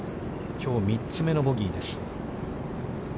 きょう３つ目のボギーです。